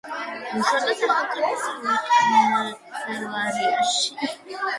მუშაობდა სახელმწიფო კანცელარიაში.